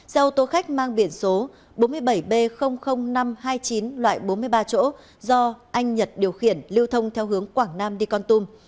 xe ô tô khách mang biển số bốn mươi bảy b năm trăm hai mươi chín loại bốn mươi ba chỗ do anh nhật điều khiển lưu thông theo hướng quảng nam đi con tum